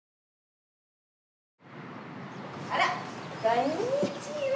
あらこんにちは。